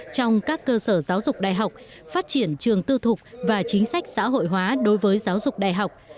trong các cơ sở giáo dục đại học phát triển trường tư thục và chính sách xã hội hóa đối với giáo dục đại học